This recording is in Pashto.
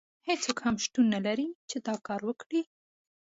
هیڅوک هم شتون نه لري چې دا کار وکړي.